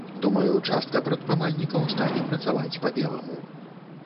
Думаю, частка прадпрымальнікаў стане працаваць па-беламу.